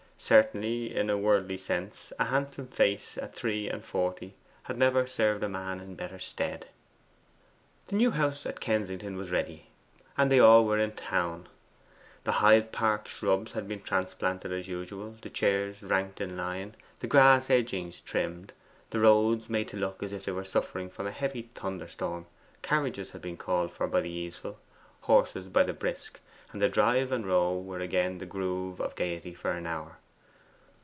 Certainly, in a worldly sense, a handsome face at three and forty had never served a man in better stead. The new house at Kensington was ready, and they were all in town. The Hyde Park shrubs had been transplanted as usual, the chairs ranked in line, the grass edgings trimmed, the roads made to look as if they were suffering from a heavy thunderstorm; carriages had been called for by the easeful, horses by the brisk, and the Drive and Row were again the groove of gaiety for an hour.